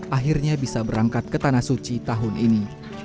akhirnya bisa berangkat ke tanah suci tahun ini